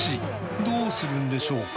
どうするんでしょうか。